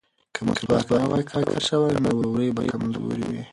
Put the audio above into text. که مسواک نه وای کارول شوی نو وورۍ به کمزورې وې.